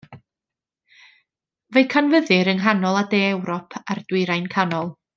Fe'i canfyddir yng nghanol a de Ewrop a'r Dwyrain canol.